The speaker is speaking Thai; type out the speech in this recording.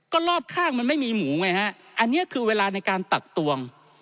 ก็รอบข้างมันไม่มีหมูไงฮะอันนี้คือเวลาในการตักตวง